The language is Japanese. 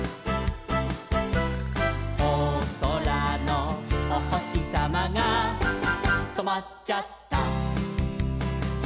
「おそらのおほしさまがとまっちゃった」